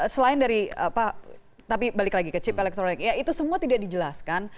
selain dari apa tapi balik lagi ke chip elektronik ya itu semua tidak dijelaskan